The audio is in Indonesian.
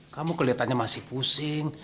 kamu kelihatannya masih pusing